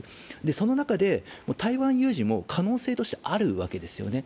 その中で台湾有事も可能性としてあるわけですよね。